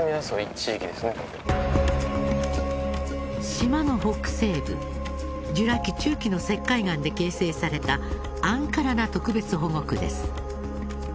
島の北西部ジュラ紀中期の石灰岩で形成されたアンカラナ特別保護区です。